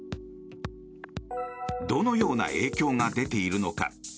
どのような影響が出ているのか。